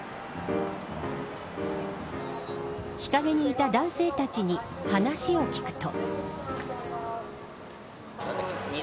日陰にいた男性たちに話を聞くと。